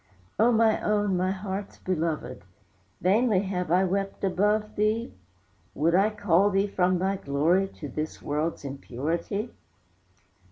O my own, my heart's belovèd, Vainly have I wept above thee? Would I call thee from thy glory To this world's impurity?